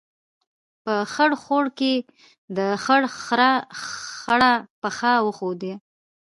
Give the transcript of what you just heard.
په خړ خوړ کې، د خړ خرهٔ خړه پښه وښیوده.